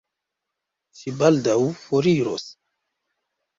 Ŝi baldaŭ foriros.